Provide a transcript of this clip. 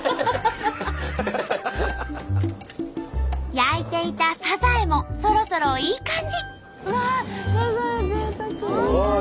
焼いていたサザエもそろそろいい感じ。